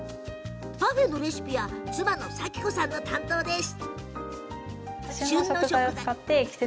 パフェのレシピは妻の紗季子さんの担当です。